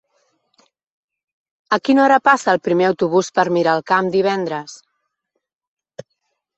A quina hora passa el primer autobús per Miralcamp divendres?